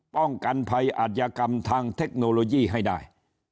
ป้องกันภัยอาจยากรรมทางเทคโนโลยีให้ได้